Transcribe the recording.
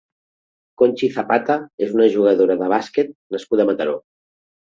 Conchi Zapata és una jugadora de bàsquet nascuda a Mataró.